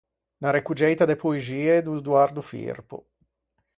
Unn’arrecuggeita de poexie do Doardo Firpo.